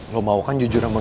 lo mau kan jujur sama gue